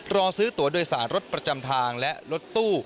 รอซื้อตัวโดยสารรถประจำทางและรถตู้